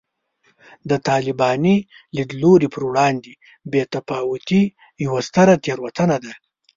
د طالباني لیدلوري پر وړاندې بې تفاوتي یوه ستره تېروتنه ده